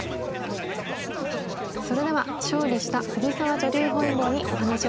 それでは勝利した藤沢女流本因坊にお話を聞きたいと思います。